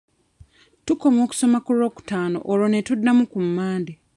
Tukoma okusoma ku lwokutaano olwo ne tuddamu ku Mande.